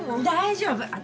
大丈夫。